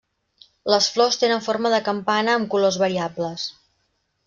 Les flors tenen forma de campana amb colors variables.